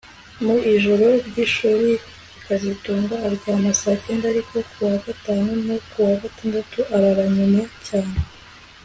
Mu ijoro ryishuri kazitunga aryama saa cyenda ariko ku wa gatanu no ku wa gatandatu arara nyuma cyane